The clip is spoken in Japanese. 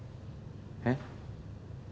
えっ？